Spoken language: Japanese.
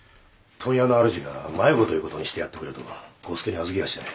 問屋の主が迷子という事にしてやってくれと伍助に預けやしてね。